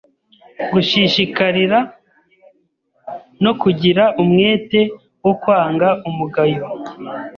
gushishikarira no kugira umwete wo kwanga umugayo